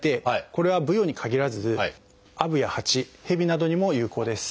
これはブヨに限らずアブやハチヘビなどにも有効です。